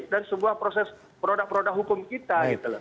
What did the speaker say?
dan semua proses produk produk hukum kita